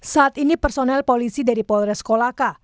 saat ini personel polisi dari polres kolaka